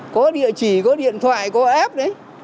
có địa chỉ có điện thoại có app